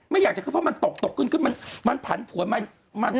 ไม่อยากจะขึ้นเพราะมันตกขึ้นมันผันผัวมาก